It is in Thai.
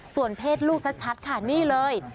ส่วนเพศลูกชัดค่ะนี่เลย